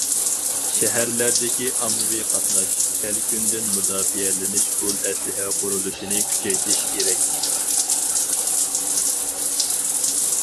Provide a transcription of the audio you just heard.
شەھەرلەردىكى ئاممىۋى قاتناش، كەلكۈندىن مۇداپىئەلىنىش ئۇل ئەسلىھە قۇرۇلۇشىنى كۈچەيتىش كېرەك.